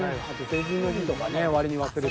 成人の日とかね割に忘れてた。